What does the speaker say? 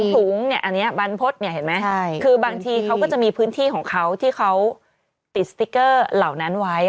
ให้สมาชิกทุกครั้งแกะสติกเกอร์กระต่าย